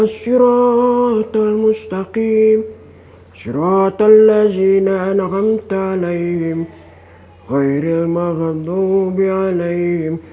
assalamualaikum warahmatullahi wabarakatuh